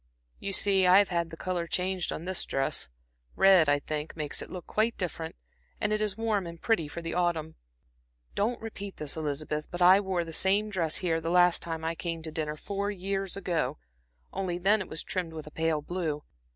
"You see I have had the color changed on this dress red, I think, makes it look quite different, and it is warm and pretty for the autumn. Don't repeat this, Elizabeth, but I wore the same dress here the last time I came to dinner four years ago only then it was trimmed with pale blue.